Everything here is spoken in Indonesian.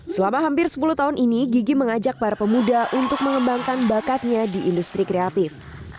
selama hampir sepuluh tahun ini gigi mengajak para pemuda untuk mengembangkan bakatnya di industri kreatif